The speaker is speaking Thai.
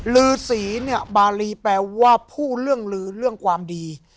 ลือสีเนี่ยบารีแปลว่าพูดเรื่องลือเรื่องความดี